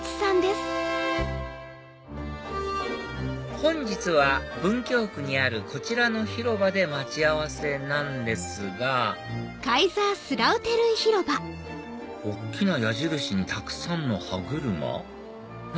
本日は文京区にあるこちらの広場で待ち合わせなんですが大っきな矢印にたくさんの歯車何？